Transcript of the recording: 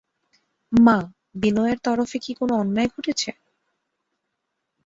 মা, বিনয়ের তরফে কি কোনো অন্যায় ঘটেছে?